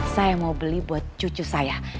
saya mau beli buat cucu saya